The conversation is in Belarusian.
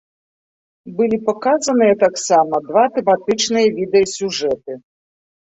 Былі паказаныя таксама два тэматычныя відэасюжэты.